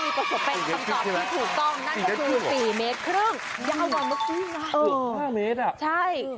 เฮ่ยรอดแบบนี้ถือว่าคุณก็ทำได้